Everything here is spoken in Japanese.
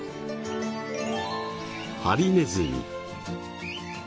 ハリネズミ。